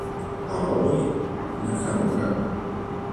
Aoi Nakamura